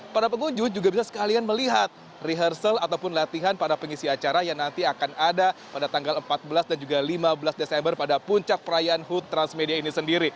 para pengunjung juga bisa sekalian melihat rehearsal ataupun latihan para pengisi acara yang nanti akan ada pada tanggal empat belas dan juga lima belas desember pada puncak perayaan hood transmedia ini sendiri